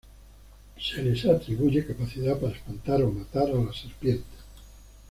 Se les atribuye capacidad para espantar o matar a las serpientes.